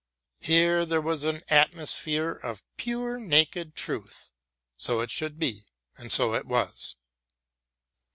Here there was an atmosphere of pure naked truth. So it should be and so it was.